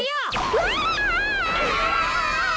うわ！